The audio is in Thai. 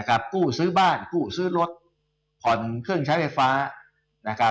กู้ซื้อบ้านกู้ซื้อรถผ่อนเครื่องใช้ไฟฟ้านะครับ